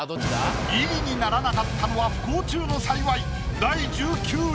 ビリにならなかったのは不幸中の幸い。